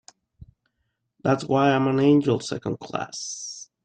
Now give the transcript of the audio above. That's why I'm an angel Second Class.